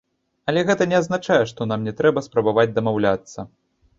Але гэта не азначае, што нам не трэба спрабаваць дамаўляцца.